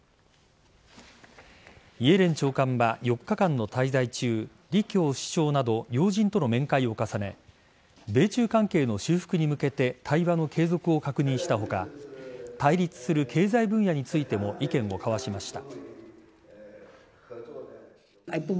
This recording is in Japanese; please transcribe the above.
イエレン長官は４日間の滞在中李強首相など要人との面会を重ね米中関係の修復に向けて対話の継続を確認した他対立する経済分野についても意見を交わしました。